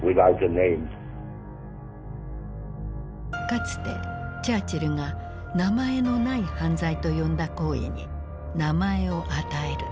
かつてチャーチルが「名前のない犯罪」と呼んだ行為に名前を与える。